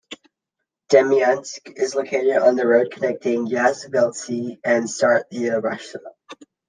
Demyansk is located on the road connecting Yazhelbitsy and Staraya Russa.